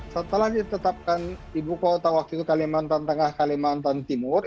setelah ditetapkan ibu kota waktu itu kalimantan tengah kalimantan timur